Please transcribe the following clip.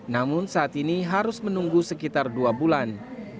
namun saat ini harus menunggu sekitar dua bulan